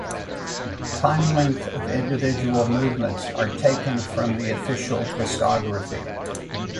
Time lengths of individual movements are taken from the official discography.